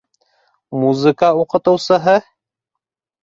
Музыка уҡытыусыһы?!